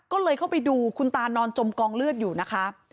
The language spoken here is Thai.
ก็เลยเข้าไปดูคุณตานอนจมกองเลือดอยู่นะคะ